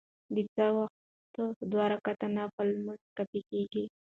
د څاښت وخت دوه رکعته نفل لمونځ کافي کيږي .